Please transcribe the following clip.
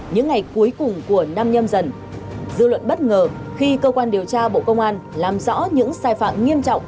những ngày cuối cùng của năm nhâm dần dư luận bất ngờ khi cơ quan điều tra bộ công an làm rõ những sai phạm nghiêm trọng